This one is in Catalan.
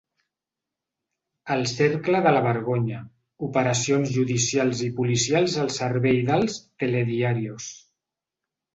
El cercle de la vergonya: operacions judicials i policials al servei dels “telediarios”.